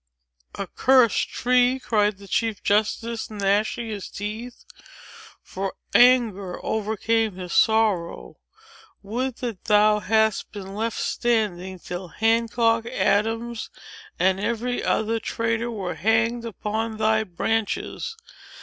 "Accursed tree!" cried the chief justice, gnashing his teeth: for anger overcame his sorrow. "Would that thou hadst been left standing, till Hancock, Adams, and every other traitor, were hanged upon thy branches!